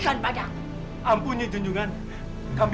bawah akhirnya mederah ituenced ganska lama